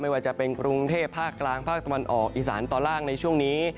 ว่าจะเป็นกรุงเทพภาคกลางภาคตะวันออกอีสานตอนล่างในช่วงนี้